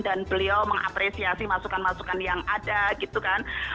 dan beliau mengapresiasi masukan masukan yang ada gitu kan